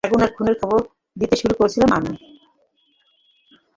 আগুন আর খুনের খবর দিয়ে শুরু করেছিলাম আমি।